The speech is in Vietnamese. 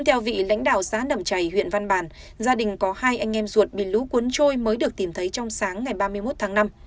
theo vị lãnh đạo xã nẩm chảy huyện văn bàn gia đình có hai anh em ruột bị lũ cuốn trôi mới được tìm thấy trong sáng ngày ba mươi một tháng năm